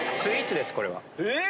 えっ！？